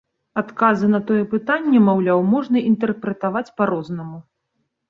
Адказы на такое пытанне, маўляў, можна інтэрпрэтаваць па-рознаму.